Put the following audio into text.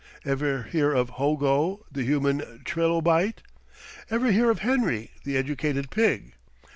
Ever hear of Hogo, the Human Trilobite? Ever hear of Henry, the Educated Pig?